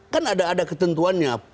kan ada ketentuannya